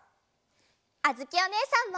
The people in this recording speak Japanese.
あづきおねえさんも！